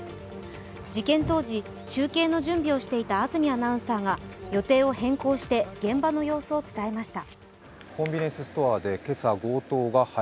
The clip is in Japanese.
事件当時、中継の準備をしていた安住アナウンサーが予定を変更して現場の様子を伝えました。